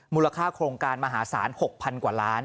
มูลค่าโครงการมหาศาล๖๐๐๐กว่าล้าน